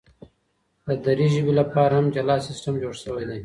د دري ژبي لپاره هم جلا سیستم جوړ سوی دی.